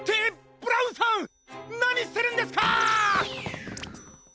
ブラウンさんなにしてるんですかっ！